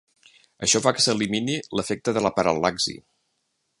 Això fa que s'elimini l'efecte de la paral·laxi.